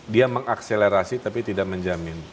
dia mengakselerasi tapi tidak menjamin